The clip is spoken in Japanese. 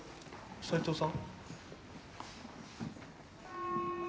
斎藤さん。